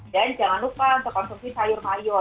dan jangan lupa untuk konsumsi sayur mayor